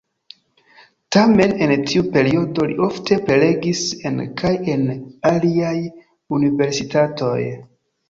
Tamen en tiu periodo li ofte prelegis en kaj en aliaj universitatoj.